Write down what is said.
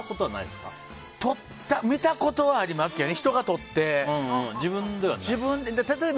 見たことはありますけどね。